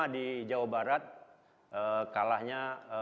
di jawa barat kalahnya